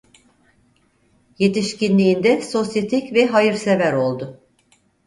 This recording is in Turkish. Yetişkinliğinde sosyetik ve hayırsever oldu.